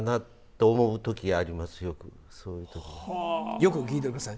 よく聞いてください。